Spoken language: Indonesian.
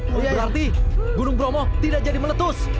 bukan berarti gunung bromo tidak jadi meletus